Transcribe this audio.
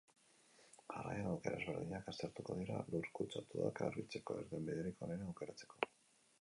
Jarraian, aukera ezberdinak aztertuko dira, lur kutsatuak garbitzeko irtenbiderik onena aukeratzeko.